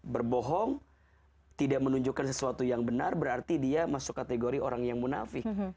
berbohong tidak menunjukkan sesuatu yang benar berarti dia masuk kategori orang yang munafik